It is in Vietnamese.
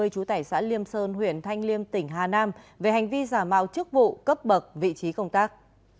chú tải xã liêm sơn huyện thanh liêm tỉnh hà nam về hành vi giả mạo chức vụ cấp bậc vị trí công tác